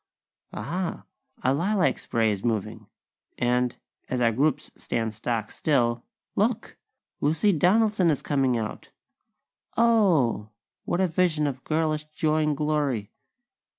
Aha!! A lilac spray is moving; and, as our groups stand stock still, look! Lucy Donaldson is coming out! Oh! What a vision of girlish joy and glory!!